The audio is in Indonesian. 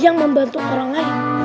yang membantu orang lain